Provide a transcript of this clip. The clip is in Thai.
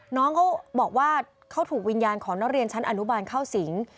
น้องเขาบอกว่าเขาถูกวิญญาณของนักเรียนชั้นอนุบาลเข้าสิง